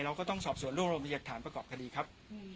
เราก็ต้องสอบสวนร่วมบริจาคภาพฯประกอบคดีครับ